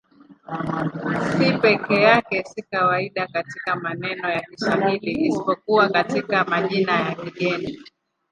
C peke yake si kawaida katika maneno ya Kiswahili isipokuwa katika majina ya kigeni.